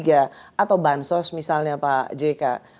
atau bansos misalnya pak jk